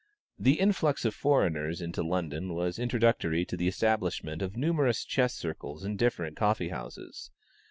The influx of foreigners into London was introductory to the establishment of numerous chess circles in different coffee houses.